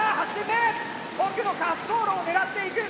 奥の滑走路を狙っていく。